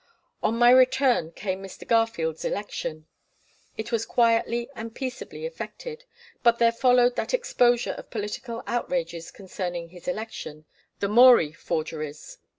On my return came Mr. Garfield's election. It was quietly and peaceably effected, but there followed that exposure of political outrages concerning his election, the Morey forgeries.